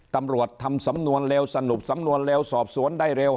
ตำรวจทำสำนวนเร็วสรุปสำนวนเร็วสอบสวนได้เร็ว